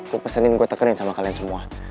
gue pesenin gue tekanin sama kalian semua